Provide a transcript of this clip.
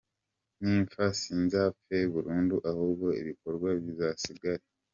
Ninpfa sinzapfe burundu ahubwo ibikorwa bizasigare”.